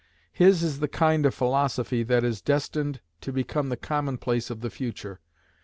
His is the kind of philosophy that is destined to become the commonplace of the future.